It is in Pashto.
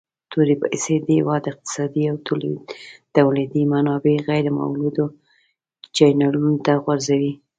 تورې پیسي د هیواد اقتصادي او تولیدي منابع غیر مولدو چینلونو ته غورځوي.